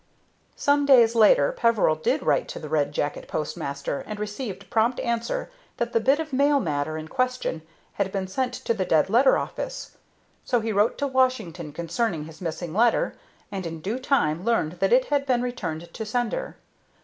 Some days later Peveril did write to the Red Jacket postmaster, and received prompt answer that the bit of mail matter in question had been sent to the dead letter office. So he wrote to Washington concerning his missing letter, and in due time learned that it had been returned to sender.